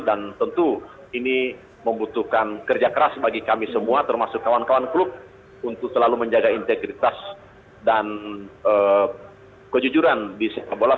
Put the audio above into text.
dan tentu ini membutuhkan kerja keras bagi kami semua termasuk kawan kawan klub untuk selalu menjaga integritas dan kejujuran di bola